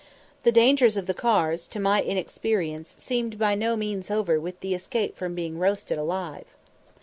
The dangers of the cars, to my inexperience, seemed by no means over with the escape from being roasted alive.